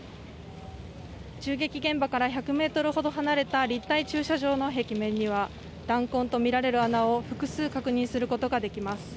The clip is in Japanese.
銃撃現場から１００ｍほど離れた立体駐車場の壁面には弾痕とみられる穴を複数確認することができます